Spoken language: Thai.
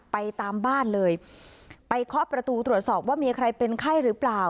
ไปเข้าประตูตรวจสอบว่ามีใครเป็นไข้หรือเปล่า